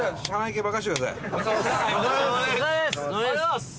ありがとうございます！